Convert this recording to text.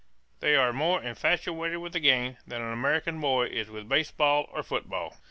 They are more infatuated with the game than an American boy is with baseball or football.